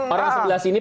orang sebelah sini